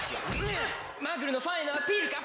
マグルのファンへのアピールか？